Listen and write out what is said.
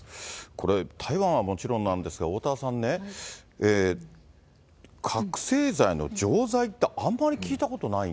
これ、大麻はもちろんなんですが、おおたわさんね、覚醒剤の錠剤ってあんまり聞いたことない。